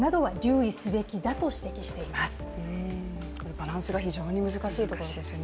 バランスが非常に難しいところですよね。